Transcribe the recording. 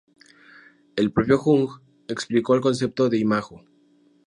El propio Jung explicó el concepto de imago.